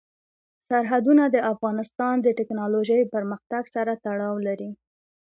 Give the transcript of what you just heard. سرحدونه د افغانستان د تکنالوژۍ پرمختګ سره تړاو لري.